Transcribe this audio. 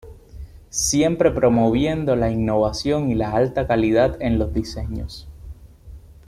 Siempre promoviendo la innovación y la alta calidad en los diseños.